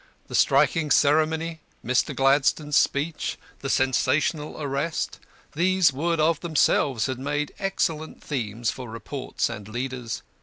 The striking ceremony Mr. Gladstone's speech the sensational arrest these would of themselves have made excellent themes for reports and leaders.